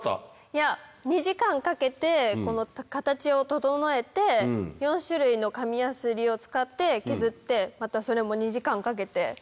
いや２時間かけて形を整えて４種類の紙やすりを使って削ってまたそれも２時間かけて。